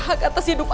tapi musuh aku bobby